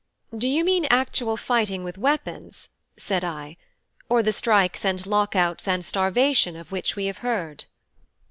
"Do you mean actual fighting with weapons?" said I, "or the strikes and lock outs and starvation of which we have heard?"